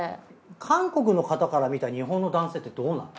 韓国の方から見た日本の男性ってどうなの？